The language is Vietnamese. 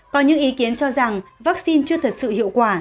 có những ý kiến cho rằng vaccine chưa thật sự hiệu quả